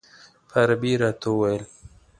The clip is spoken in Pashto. په عربي یې راته څه وویل.